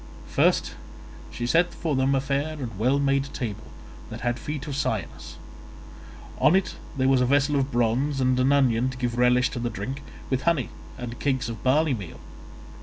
First she set for them a fair and well made table that had feet of cyanus; on it there was a vessel of bronze and an onion to give relish to the drink, with honey and cakes of barley meal.